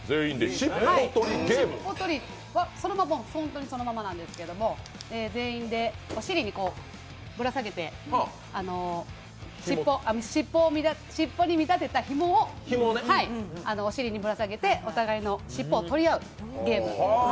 本当にそのままなんですけど、全員でお尻にぶら下げてしっぽに見立てたひもをお尻にぶら下げてお互いの尻尾を取り合うゲーム。